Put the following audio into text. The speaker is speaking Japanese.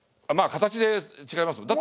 まあ形で違います。